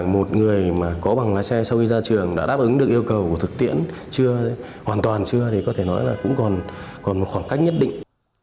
một người mà có bằng lái xe sau khi ra trường đã đáp ứng được yêu cầu của thực tiễn chưa hoàn toàn chưa thì có thể nói là cũng còn một khoảng cách nhất định